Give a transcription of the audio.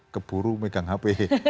keburu megang hp